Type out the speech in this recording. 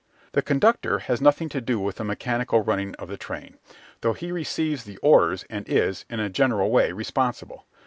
The conductor has nothing to do with the mechanical running of the train, though he receives the orders and is, in a general way, responsible.